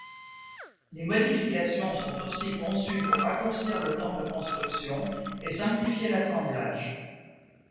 Les modifications sont aussi conçues pour raccourcir le temps de construction et simplifier l'assemblage.